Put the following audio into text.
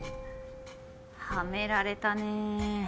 はめられたね。